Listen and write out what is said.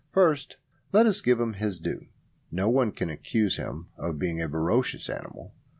First let us give him his due. No one can accuse him of being a ferocious animal.